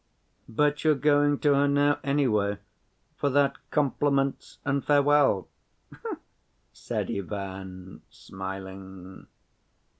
"But you're going to her now, anyway? For that 'compliments and farewell,' " said Ivan smiling.